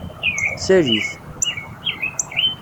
Sali-t.